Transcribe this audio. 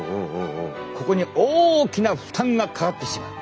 ここに大きな負担がかかってしまう。